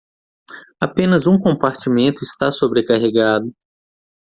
Apenas um compartimento está sobrecarregado